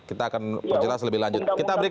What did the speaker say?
kita akan perjelas lebih lanjut